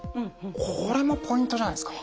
これもポイントじゃないですか？